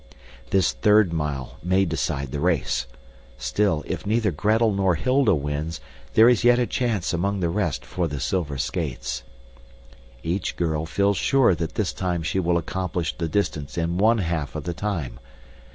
This third mile may decide the race. Still, if neither Gretel nor Hilda wins, there is yet a chance among the rest for the silver skates. Each girl feels sure that this time she will accomplish the distance in one half of the time.